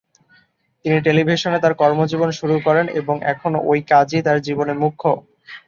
তিনি টেলিভিশনে তার কর্মজীবন শুরু করেন এবং এখনো ঐ কাজই তার জীবনে মুখ্য।